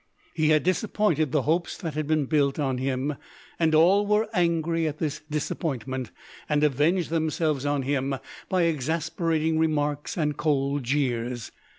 He had disappointed the hopes that had been built on him, and all were angry at this disappointment, and avenged themselves on him by exasperating remarks and cold jeers.